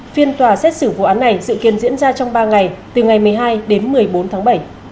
phiên tòa xét xử vụ án này dự kiến diễn ra trong ba ngày từ ngày một mươi hai đến một mươi bốn tháng bảy